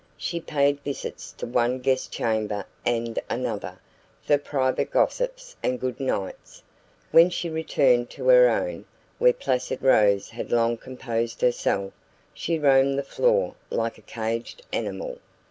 She paid visits to one guest chamber and another, for private gossips and good nights; when she returned to her own, where placid Rose had long composed herself, she roamed the floor like a caged animal.